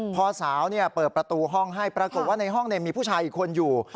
พอสาวเปิดประตูห้องให้ปรากฏว่าในห้องมีผู้ชายอีกคนอยู่